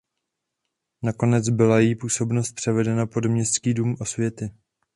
Nakonec byla její působnost převedena pod Městský dům osvěty.